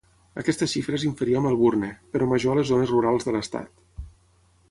Aquesta xifra és inferior a Melbourne, però major a les zones rurals de l'estat.